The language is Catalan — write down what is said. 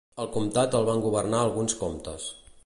El comtat el van governar alguns comtes.